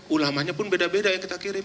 ulamanya pun beda beda yang kita kirim